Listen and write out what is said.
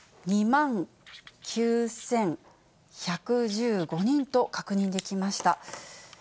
２万９１１５人と確認できました。